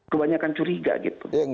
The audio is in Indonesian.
kebanyakan curiga gitu